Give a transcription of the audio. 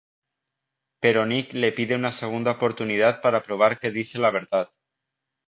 Pero Nick le pide una segunda oportunidad para probar que dice la verdad.